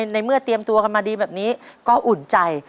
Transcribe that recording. ในเมื่อเตรียมตัวกันมาดีแบบนี้ก็อุ่นใจ